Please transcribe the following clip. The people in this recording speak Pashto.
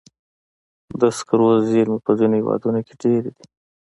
د سکرو زیرمې په ځینو هېوادونو کې ډېرې دي.